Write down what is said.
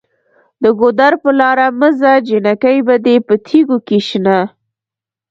د ګودر په لاره مه ځه جینکۍ به دې په تیږو کې شنه